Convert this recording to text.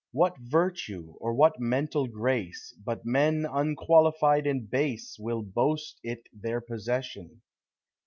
What virtue, or what mental grace, Hut men unqualified and base Will boast it their possession?